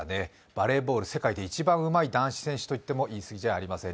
バレーボール世界で一番うまい男子選手といっても言い過ぎではありまさん。